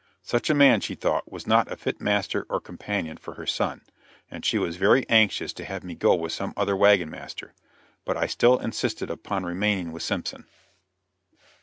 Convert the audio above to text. Such a man, she thought, was not a fit master or companion for her son, and she was very anxious to have me go with some other wagon master; but I still insisted upon remaining with Simpson.